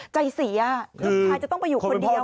ใจเสียใครจะต้องอยู่คนเดียว